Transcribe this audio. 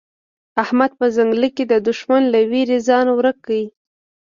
احمد په ځنګله کې د دوښمن له وېرې ځان ورک کړ.